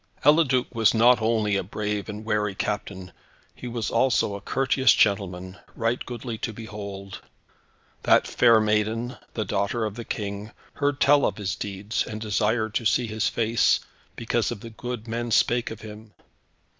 Eliduc was not only a brave and wary captain; he was also a courteous gentleman, right goodly to behold. That fair maiden, the daughter of the King, heard tell of his deeds, and desired to see his face, because of the good men spake of him.